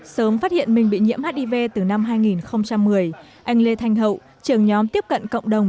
sớm phát hiện mình bị nhiễm hiv từ năm hai nghìn một mươi anh lê thanh hậu trưởng nhóm tiếp cận cộng đồng